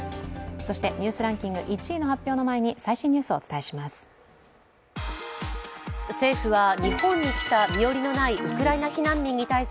そして「ニュースランキング」１位の発表の前に最新ニュースをお伝えします。